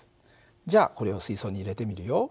じゃあこれを水槽に入れてみるよ。